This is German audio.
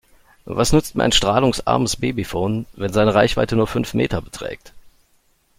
Was nützt mir ein strahlungsarmes Babyfon, wenn seine Reichweite nur fünf Meter beträgt?